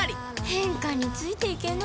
変化についていけない。